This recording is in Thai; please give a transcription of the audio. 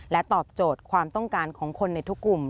ตอบโจทย์ความต้องการของคนในทุกกลุ่ม